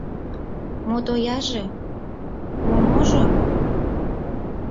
Мо тояже, мо можо?